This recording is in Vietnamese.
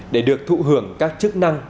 để được thụ hưởng các chức năng